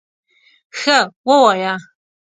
_ښه، ووايه!